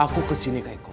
aku kesini pak iko